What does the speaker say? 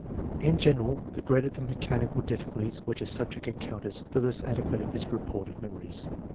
In general, the greater the mechanical difficulties which a subject en counters, the less adequate is his report of memories.